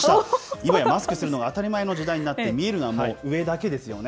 今やマスクするのが当たり前の時代になって、見えるのはもう上だけですよね。